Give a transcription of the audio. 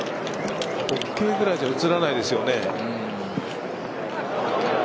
ＯＫぐらいじゃ映らないですよね。